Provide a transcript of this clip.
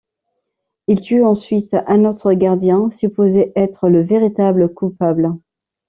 Il tue ensuite un autre gardien, supposé être le véritable coupable.